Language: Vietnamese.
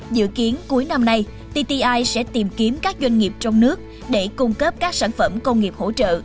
dự kiến cuối năm nay tti sẽ tìm kiếm các doanh nghiệp trong nước để cung cấp các sản phẩm công nghiệp hỗ trợ